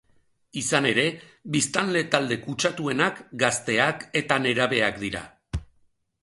Izan ere, biztanle talde kutsatuenak gazteak eta nerabeak dira.